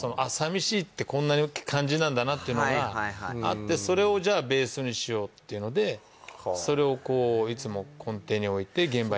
そのなんだなっていうのがあってそれをじゃあベースにしようっていうのでそれをこういつも根底に置いて現場に行った感じ